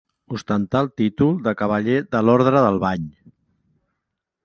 Ostentà el títol de cavaller de l'Orde del Bany.